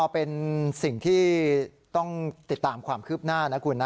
เป็นสิ่งที่ต้องติดตามความคืบหน้านะคุณนะ